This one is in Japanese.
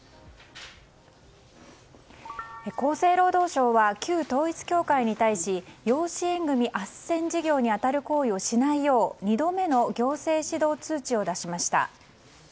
厚生労働省は旧統一教会に対し養子縁組あっせん事業に当たる行為をしないよう２度目の行政指導通知を出しました。